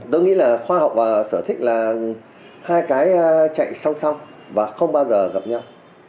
tôi nghĩ là khoa học và sở thích là hai cái chạy song song và không bao giờ gặp nhau